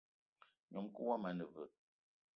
Ngnom-kou woma ane veu?